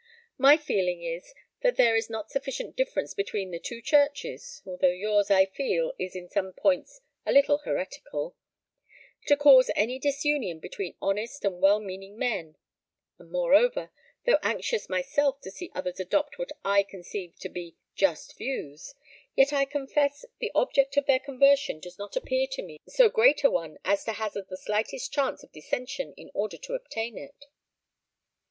My feeling is that there is not sufficient difference between the two churches although yours, I feel, is in some points a little heretical to cause any disunion between honest and well meaning men; and moreover, though anxious myself to see others adopt what I conceive to be just views, yet I confess the object of their conversion does not appear to me so great a one as to hazard the slightest chance of dissension in order to obtain it."